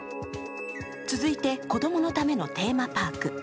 続いて、子供のためのテーマパーク